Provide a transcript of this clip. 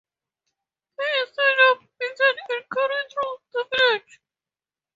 He is tied up, beaten, and carried through the village.